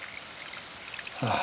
ああ。